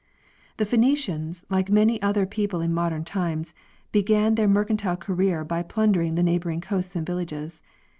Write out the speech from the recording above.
The Phenecians, like many other people in modern times, began their mercantile career by plundering the neighboring coasts and: villages.